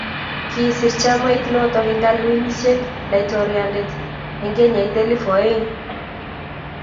kisir chamait nito eng' kalwenisietab laitoriande eng' kenyit elfut oeng'